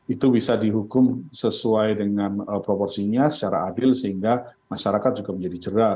itu bisa dihukum sesuai dengan proporsinya secara adil sehingga masyarakat juga menjadi cerah